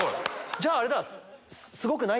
じゃああれだ。